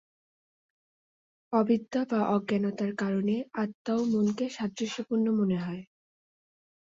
অবিদ্যা বা অজ্ঞানতার কারণে আত্মা ও মনকে সাদৃশ্যপূর্ণ মনে হয়।